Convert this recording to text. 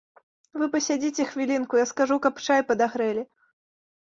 Вы пасядзіце хвілінку, я скажу, каб чай падагрэлі.